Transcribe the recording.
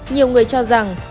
nhiều người cho rằng